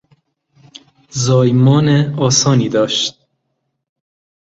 زایمان آسانی داشت.